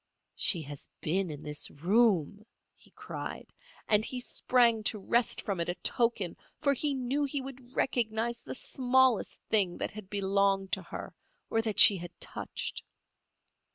"She has been in this room," he cried, and he sprang to wrest from it a token, for he knew he would recognize the smallest thing that had belonged to her or that she had touched.